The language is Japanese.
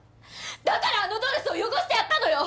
だからあのドレスを汚してやったのよ！